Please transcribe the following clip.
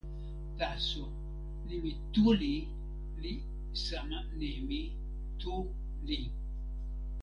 taso, nimi “tuli” li sama nimi “tu li”.